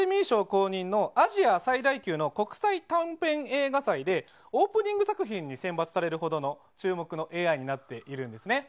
公認のアジア最大級の国際短編映画祭でオープニング作品に選抜されるほどの注目のＡＩになっているんですね。